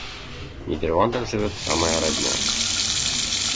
В Нидерландах живёт вся моя родня.